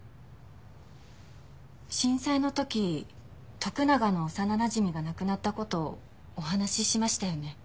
震災の時徳永の幼なじみが亡くなった事お話ししましたよね。